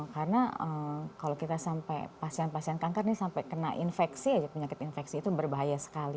karena kalau kita sampai pasien pasien kanker ini sampai kena infeksi penyakit infeksi itu berbahaya sekali